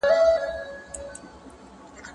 عقل او زړه يې په کعبه کې جوارې کړې ده